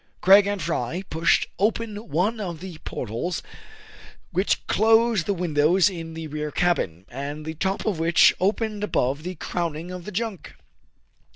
Craig and Fry pushed open one of the port holes which closed the windows in the rear cabin, and the top of which opened above the crowning of the junk.